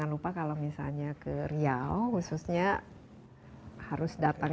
apa kalau misalnya ke riau khususnya harus datang